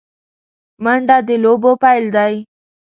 منډه د لوبو پیل دی